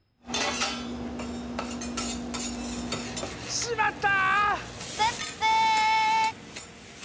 しまった！